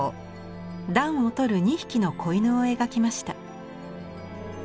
暖をとる２匹の仔犬を描きました。